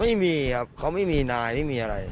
ไม่มีครับเขาไม่มีนายไม่มีอะไร